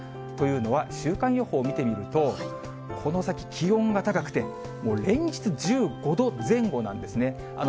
というのは、週間予報を見てみると、この先、気温が高くて、連日１５度前後なんですね。